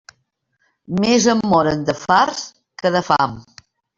Més en moren de farts que de fam.